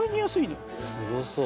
すごそう。